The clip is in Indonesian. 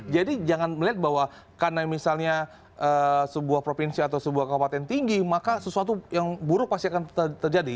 jadi jangan melihat bahwa karena misalnya sebuah provinsi atau sebuah kabupaten tinggi maka sesuatu yang buruk pasti akan terjadi